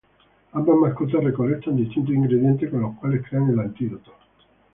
Ambas mascotas recolectan distintos ingredientes con los cuales crean el antídoto.